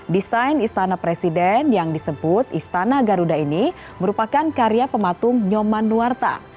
desain istana presiden yang disebut istana garuda ini merupakan karya pematung nyoman nuwarta